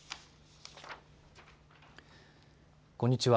こんにちは。